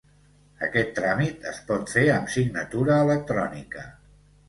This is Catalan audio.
Aquest tràmit es pot fer amb signatura electrònica.